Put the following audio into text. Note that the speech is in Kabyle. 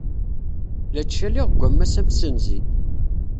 La ttcaliɣ deg wammas amsenzi.